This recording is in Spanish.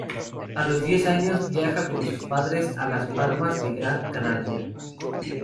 A los diez años viaja con sus padres a Las Palmas de Gran Canaria.